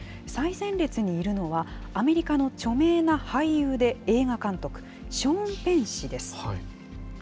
最前列にいるのは、アメリカの著名な俳優で映画監督、ショーン・ペン氏です。